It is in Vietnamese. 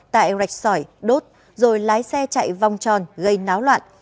tại rạch sỏi đốt rồi lái xe chạy vòng tròn gây náo loạn